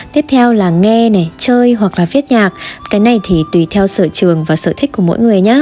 tiếp theo là nghe này chơi hoặc là viết nhạc cái này thì tùy theo sở trường và sở thích của mỗi người nhé